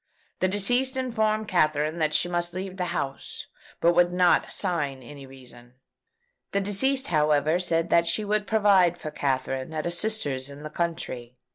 The deceased informed Katherine that she must leave the house, but would not assign any reason. The deceased, however, said that she would provide for Katherine at a sister's in the country.